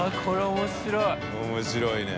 面白いね。